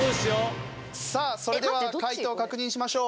さあそれでは解答を確認しましょう。